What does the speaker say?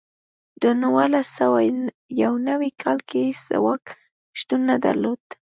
د نولس سوه یو نوي کال کې هېڅ ځواک شتون نه درلود.